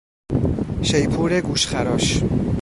شیپور گوشخراش